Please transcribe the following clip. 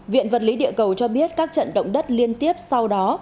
viện vật lý địa cầu cho biết các trận động đất liên tiếp sau đó